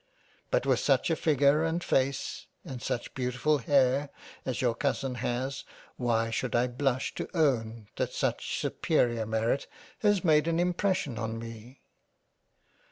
But with such a figure and face, and such beautiful hair as your Cousin has, why should I blush to own that such superior merit has made an impression on me."